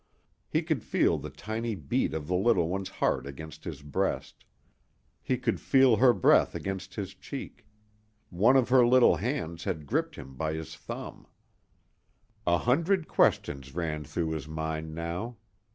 He could feel the tiny beat of the little one's heart against his breast; he could feel her breath against his cheek; one of her little hands had gripped him by his thumb. A hundred questions ran through his mind now.